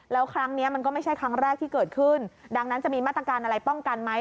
แล้วครั้งนี้มันก็ไม่ใช่ครั้งแรกที่เกิดขึ้นดังนั้นจะมีมาตรการอะไรป้องกันไหม